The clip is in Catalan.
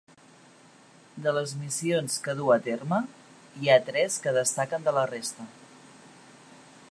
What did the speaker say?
De les missions que duu a terme, hi ha tres que destaquen de la resta.